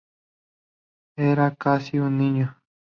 Era casi un niño.